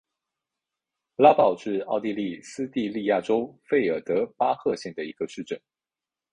拉鲍是奥地利施蒂利亚州费尔德巴赫县的一个市镇。